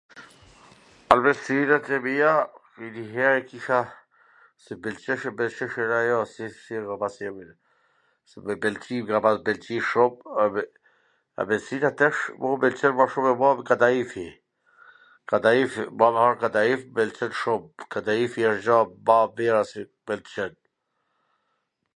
Ambwlsinat e mija, njw her kisha ... se m pwlqente ajo, si e ka pas emnin, s em kan pelqy, m kan pa pelqy shum, ambwlsina tash m pwlqen ma shum kadaifi, kadaifi, ba me hangwr kadaif, m pelqen shum, kadaifi asht gja ma e mira se m pwlqen